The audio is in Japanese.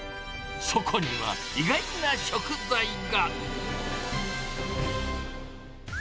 そこには意外な食材が。